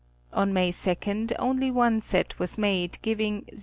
On May 2, only one set was made giving 0°.